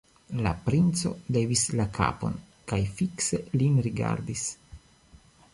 La princo levis la kapon kaj fikse lin rigardis.